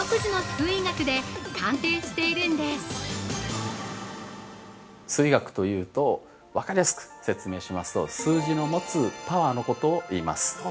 ◆数意学というと分かりやすく説明しますと数字の持つパワーのことをいいます。